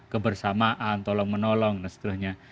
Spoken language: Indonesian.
kebersamaan tolong menolong dan seterusnya